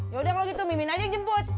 yaudah kalau gitu mimin aja jemput